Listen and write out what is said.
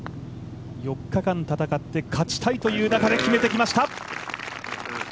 ４日間戦って勝ちたいという中で決めてきました。